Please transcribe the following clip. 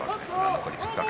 残り２日間。